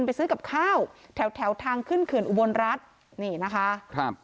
ไปซื้อกับข้าวแถวแถวทางขึ้นเขื่อนอุบลรัฐนี่นะคะครับ